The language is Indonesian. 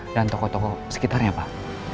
dan toko toko sekitarnya pak